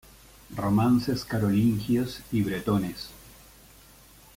Romances carolingios y bretones.